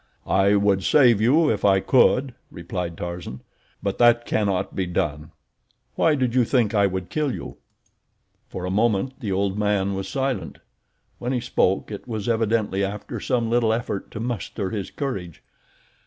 "I would save you if I could," replied Tarzan, "but that cannot be done. Why did you think I would kill you?" For a moment the old man was silent. When he spoke it was evidently after some little effort to muster his courage.